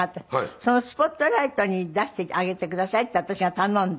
その「スポットライト」に出してあげてくださいって私が頼んで。